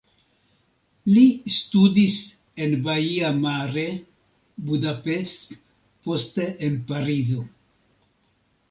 Li studis en Baia Mare, Budapest, poste en Parizo.